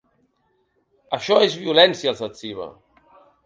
Això és violència, els etziba.